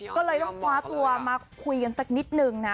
ก็เลยต้องคว้าตัวมาคุยกันสักนิดนึงนะ